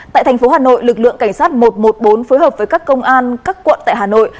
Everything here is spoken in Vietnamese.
tại thành phố hà nội lực lượng cảnh sát một trăm một mươi bốn phối hợp với các công an các quận tại hà nội